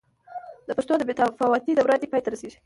د پښتو د بې تفاوتۍ دوره دې پای ته رسېږي.